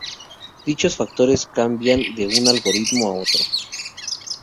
Dichos factores cambian de un algoritmo a otro.